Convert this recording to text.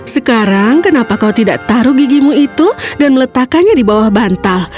sekarang kenapa kau tidak taruh gigimu itu dan meletakkannya di bawah bantal